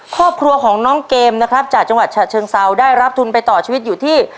ครอบครัวของน้องเกมนะครับจากจังหวัดฉะเชิงเซาได้รับทุนไปต่อชีวิตอยู่ที่